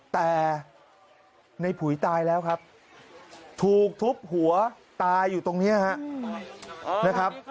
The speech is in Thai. แต่ในผุยตายแล้วครับถูกทุบหัวตายอยู่ตรงนี้นะครับ